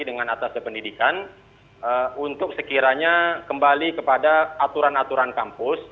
dengan atasnya pendidikan untuk sekiranya kembali kepada aturan aturan kampus